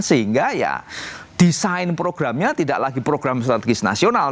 sehingga ya desain programnya tidak lagi program strategis nasional